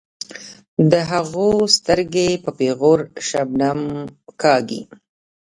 د هغو سترګې په پیغور شبنم کاږي.